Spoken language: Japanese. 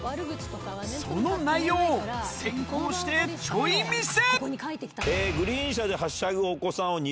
その内容を先行してちょい見せ！